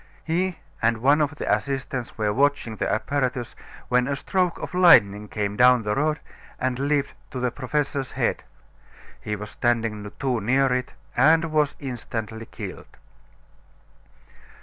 He and one of the assistants were watching the apparatus when a stroke of lightning came down the rod and leaped to the professor's head. He was standing too near it and was instantly killed.